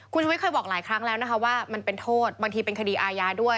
คุณชุวิตเคยบอกหลายครั้งแล้วนะคะว่ามันเป็นโทษบางทีเป็นคดีอาญาด้วย